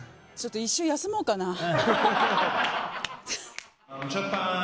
ちょっと１週休もうかな。